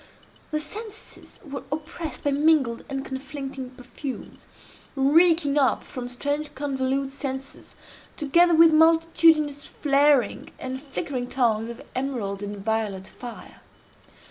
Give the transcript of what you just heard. The senses were oppressed by mingled and conflicting perfumes, reeking up from strange convolute censers, together with multitudinous flaring and flickering tongues of emerald and violet fire.